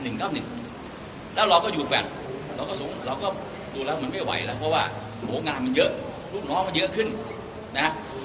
แล้วเราก็อยู่แฟลตเราก็ดูแล้วมันไม่ไหวแล้วเพราะว่าโหงานมันเยอะลูกน้องมันเยอะขึ้นนะ